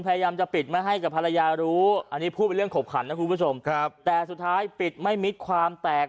พูดเป็นเรื่องขบขันนะครับคุณผู้ชมแต่สุดท้ายปิดไม่มิดความแตก